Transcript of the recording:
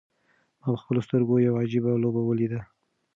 ما په خپلو سترګو یوه عجیبه لوبه ولیده.